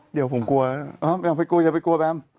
เดี๋ยวผมกลัวอย่าไปกลัวแบม